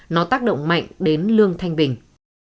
nó tác động mạnh đến lương thanh bình